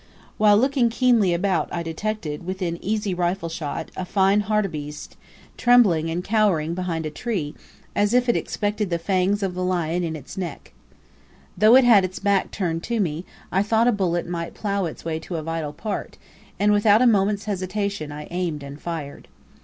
While looking keenly about I detected, within easy rifle shot, a fine hartebeest, trembling and cowering behind a tree, as if it expected the fangs of the lion in its neck. Though it had its back turned to me, I thought a bullet might plough its way to a vital part, and without a moment's hesitation I aimed and fired.